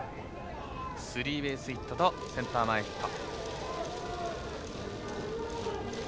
スリーベースヒットとセンター前ヒット。